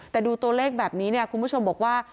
แต่ดูตัวเลขแบบนี้เนี่ยคุณผู้ชมบอกว่า